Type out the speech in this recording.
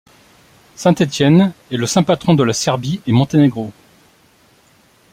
Saint-Étienne est le saint patron de la Serbie-et-Monténégro.